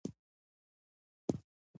ایا دا ناول د ښوونځیو په نصاب کې شاملېدی شي؟